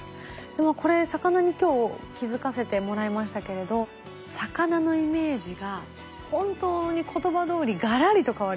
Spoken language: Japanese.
でもこれ魚に今日気付かせてもらいましたけれど魚のイメージが本当に言葉どおりガラリと変わりました。